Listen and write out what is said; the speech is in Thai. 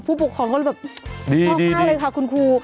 ผู้ปกครองก็เลยแบบชอบมากเลยค่ะคุณครู